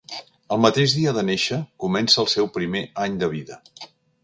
El mateix dia de néixer comença el seu primer any de vida.